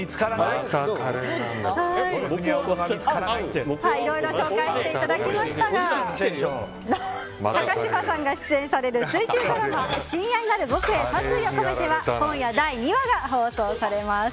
いろいろ紹介していただきましたが高嶋さんが出演される水１０ドラマ「親愛なる僕へ殺意をこめて」は今夜第２話が放送されます。